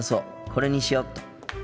これにしよっと。